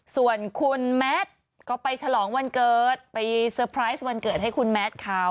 ส่วนคุณแมทก็ไปฉลองวันเกิดไปเซอร์ไพรส์วันเกิดให้คุณแมทเขา